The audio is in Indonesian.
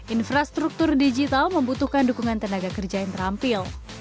infrastruktur digital membutuhkan dukungan tenaga kerja yang terampil